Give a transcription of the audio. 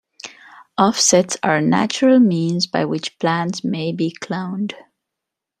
Offsets are a natural means by which plants may be cloned.